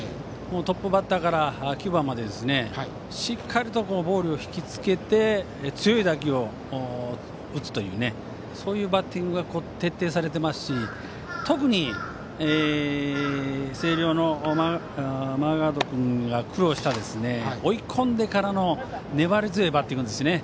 トップバッターから９番までしっかりとボールを引き付けて強い打球を打つというそういうバッティングが徹底されていますし特に星稜のマーガード君が苦労した追い込んでからの粘り強いバッティングですね。